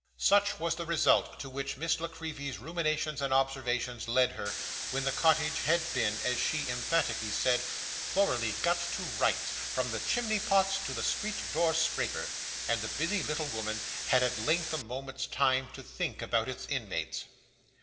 Such was the result to which Miss La Creevy's ruminations and observations led her, when the cottage had been, as she emphatically said, 'thoroughly got to rights, from the chimney pots to the street door scraper,' and the busy little woman had at length a moment's time to think about its inmates.